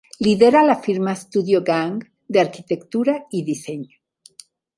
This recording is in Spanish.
Lidera la firma Studio Gang, de arquitectura y diseño.